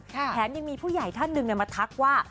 แถมยังมีผู้ใหญ่ท่านหนึ่งมาทักว่า